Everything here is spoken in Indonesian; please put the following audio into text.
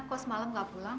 kok semalam gak pulang